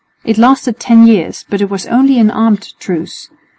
It lasted ten years, but it was only an armed truce.